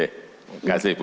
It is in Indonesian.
oke terima kasih bu